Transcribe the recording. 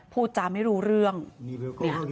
พูดจาไม่รู้เรื่องเนี่ย